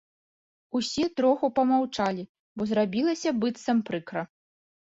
Усе троху памаўчалі, бо зрабілася быццам прыкра.